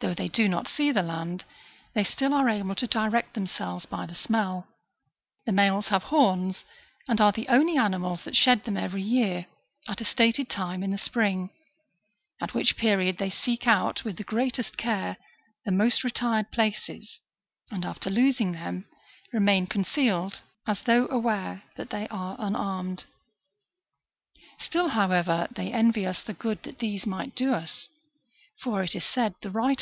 Though they do not see the land, they still are able to direct themselves by the smell. The males have horns, and are the only animals that shed them every year, at a stated time in the spring ; at which period they seek out with the greatest care the most retired places, and after losing them, remain concealed, as though aware that they chorion here means tlie name of a plant, and they have proposed to sub stitute the word chorion for aros in the text.